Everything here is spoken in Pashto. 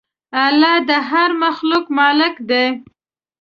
الله د هر مخلوق مالک دی.